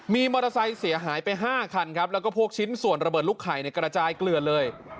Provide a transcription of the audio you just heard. มีมอเตอร์ไซค์เสียหายไป๕คันครับแล้วก็พวกชิ้นส่วนระเบิดลูกไข่ในกระจายเกลือเลย